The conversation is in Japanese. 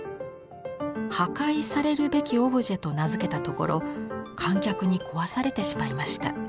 「破壊されるべきオブジェ」と名付けたところ観客に壊されてしまいました。